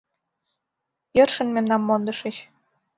Йӧршын мемнам мондышыч.